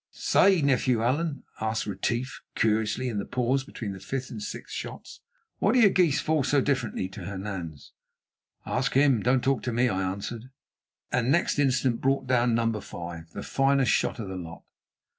"Say, nephew Allan," asked Retief curiously in the pause between the fifth and sixth shots, "why do your geese fall so differently to Hernan's?" "Ask him! don't talk to me," I answered, and next instant brought down number five, the finest shot of the lot.